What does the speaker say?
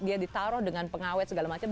dia ditaruh dengan pengawet segala macam